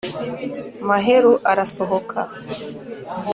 Mahero arasohoka